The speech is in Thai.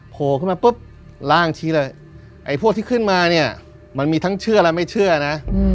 โผล่ขึ้นมาปุ๊บร่างชี้เลยไอ้พวกที่ขึ้นมาเนี่ยมันมีทั้งเชื่อและไม่เชื่อนะ